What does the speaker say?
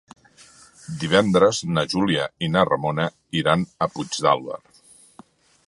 Divendres na Júlia i na Ramona iran a Puigdàlber.